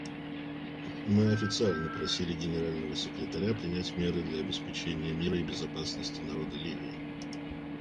Мы официально просили Генерального секретаря принять меры для обеспечения мира и безопасности народа Ливии.